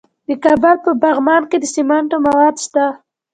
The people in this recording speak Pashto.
د کابل په پغمان کې د سمنټو مواد شته.